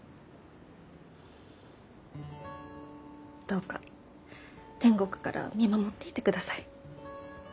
どうか天国から見守っていてください。